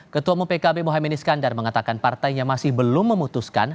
ketua bupkb mohamad niskandar mengatakan partainya masih belum memutuskan